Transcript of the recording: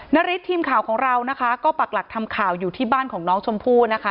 นาริสทีมข่าวของเรานะคะก็ปักหลักทำข่าวอยู่ที่บ้านของน้องชมพู่นะคะ